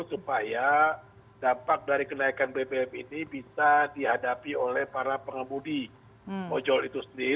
supaya dampak dari kenaikan bbm ini bisa dihadapi oleh para pengemudi ojol itu sendiri